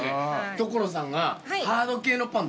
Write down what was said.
所さんが。